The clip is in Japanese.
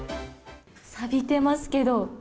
さびてますけど。